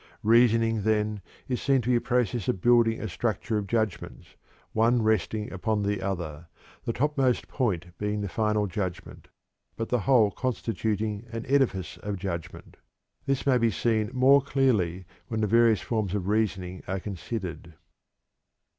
Reasoning, then, is seen to be a process of building a structure of judgments, one resting upon the other, the topmost point being the final judgment, but the whole constituting an edifice of judgment. This may be seen more clearly when the various forms of reasoning are considered.